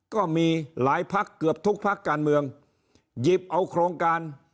ก็มีหลายพักเกือบทุกพักการเมืองหยิบเอาโครงการ